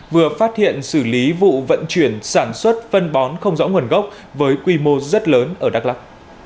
vừa phát hiện xử lý vụ vận chuyển sản xuất phân bón không rõ nguồn gốc với quy mô rất lớn ở đắk lắc